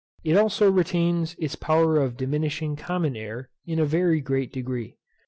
It also retains its power of diminishing common air in a very great degree.